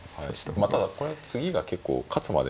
まあただこれは次が結構勝つまでが。